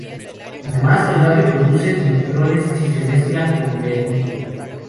Además, el radio produce neutrones si se mezcla con berilio.